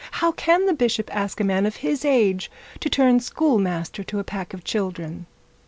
How can the bishop ask a man of his age to turn schoolmaster to a pack of children?'